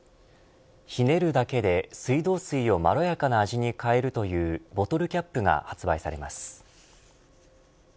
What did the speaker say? ひねるだけで水道水をまろやかな味に変えるというボトルキャップが発売されます。